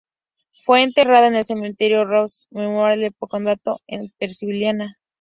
Fue enterrado en el Cementerio Roosevelt Memorial Park del Condado de Bucks, en Pensilvania.